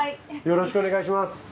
よろしくお願いします。